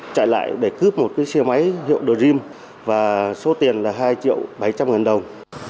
chạy lại để cướp một xe máy hiệu dream và số tiền là hai triệu bảy trăm linh ngàn đồng